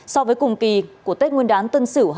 so với cùng kỳ của tết nguyên đán tân sửu hai nghìn một mươi chín